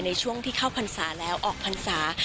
ในช่วงที่เข้าพรรษาแล้วออกพรรษา